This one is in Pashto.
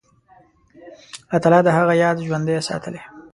الله تعالی د هغه یاد ژوندی ساتلی.